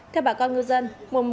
theo bà con ngư dân